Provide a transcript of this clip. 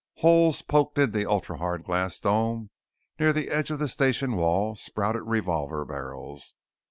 Holes poked in the ultra hard glass dome near the edge of the station wall sprouted revolver barrels.